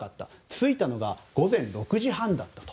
着いたのが午前６時半だったと。